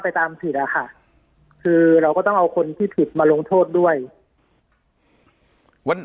ปากกับภาคภูมิ